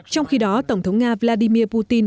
trong khi đó tổng thống nga vladimir putin